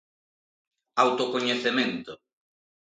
Autocoñecemento.